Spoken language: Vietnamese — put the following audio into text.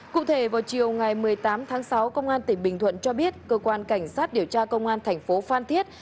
cụ thể vào chiều ngày một mươi tám tháng sáu công an tỉnh bình thuận cho biết cơ quan cảnh sát điều tra công an thành phố phan thiết